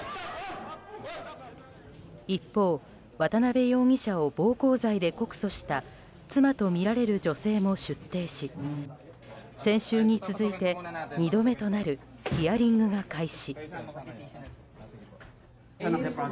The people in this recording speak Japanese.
一方、渡邉容疑者を暴行罪で告訴した妻とみられる女性も出廷し先週に続いて２度目となるヒアリングが開始。